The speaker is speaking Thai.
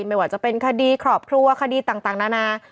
ไม่ว่าจะเป็นคดีครอบครัวคดีต่างนานา